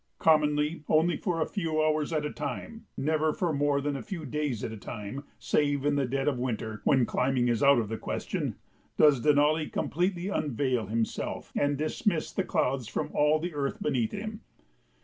Commonly, only for a few hours at a time, never for more than a few days at a time, save in the dead of winter when climbing is out of the question, does Denali completely unveil himself and dismiss the clouds from all the earth beneath him.